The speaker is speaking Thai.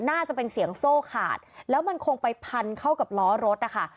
น่าจะเป็นเสียงโซ่ขาดแล้วมันคงไปพันเข้ากับล้อรถนะคะ